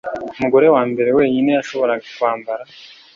umugore wa mbere wenyine yashoboraga kwambara